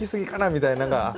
みたいなんが。